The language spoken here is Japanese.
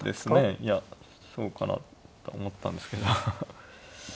いやそうかなと思ったんですけど。